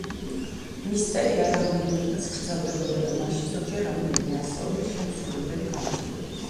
მისტერია რამდენიმე დღეს გრძელდებოდა და მასში ზოგჯერ რამდენიმე ასეული შემსრულებელი გამოდიოდა.